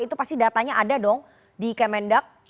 itu pasti datanya ada dong di kemendak